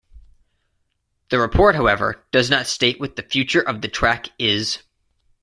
The report however does not state what the future of the track is.